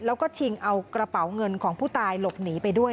แล้วก็ชิงเอากระเป๋าเงินของผู้ตายหลบหนีไปด้วย